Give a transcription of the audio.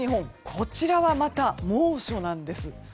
こちらはまた、猛暑なんです。